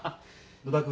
野田君